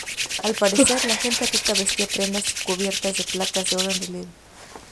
Al parecer, la gente rica vestía prendas cubiertas de placas de oro en relieve.